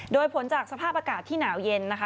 โดยผลจากสภาพอากาศที่หนาวเย็นนะคะ